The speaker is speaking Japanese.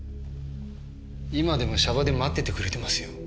今でもシャバで待っててくれてますよ。